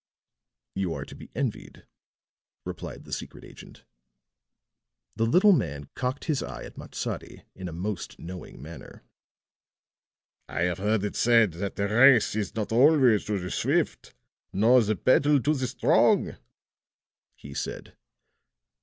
"You are to be envied," replied the secret agent. The little man cocked his eye at Matsadi in a most knowing manner. "I have heard it said, 'That the race is not always to the swift, nor the battle to the strong,'" he said.